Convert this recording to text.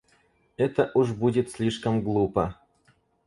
Это уж будет слишком глупо.